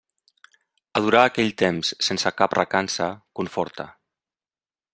Adorar aquell temps sense cap recança conforta.